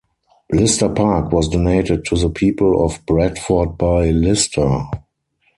Lister Park was donated to the people of Bradford by Lister.